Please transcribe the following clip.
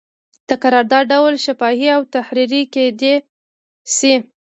د قرارداد ډول شفاهي او تحریري کیدی شي.